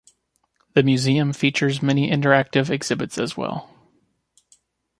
The Museum features many interactive exhibits as well.